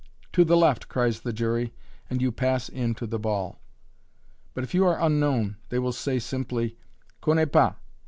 "To the left!" cries the jury, and you pass in to the ball. But if you are unknown they will say simply, "Connais pas!